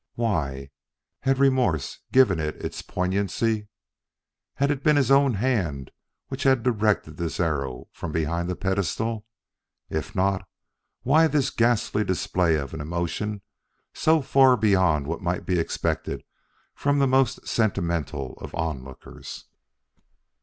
Why? Had remorse given it its poignancy? Had it been his own hand which had directed this arrow from behind the pedestal? If not, why this ghastly display of an emotion so far beyond what might be expected from the most sentimental of onlookers?